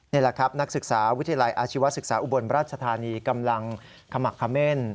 นี่แหละครับนักศึกษาวิทยาลัยอาชีวศึกษาอุบลราชธานีกำลังขมักเขม่น